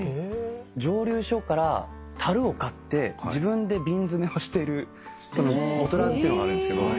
蒸留所からたるを買って自分で瓶詰めをしてるボトラーズっていうのがあるんですけど。